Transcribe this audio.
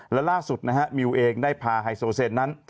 และล่าสุดนะฮะมิวเองได้พาไฮโซเซนนั้น